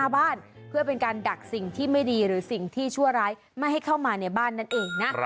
แบบนั้น